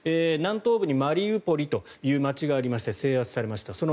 南東部にマリウポリという街がありまして制圧されました。